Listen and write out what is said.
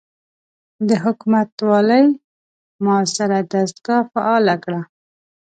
د حکومتوالۍ معاصره دستګاه فعاله کړه.